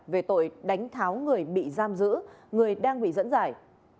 về tội đánh tháo người bị giam giữ người đang bị dẫn giải